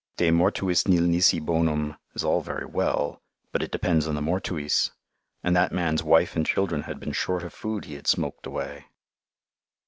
De mortuis nil nisi bonum is all very well, but it depends on the mortuis; and that man's wife and children had been short of food he had "smoked away."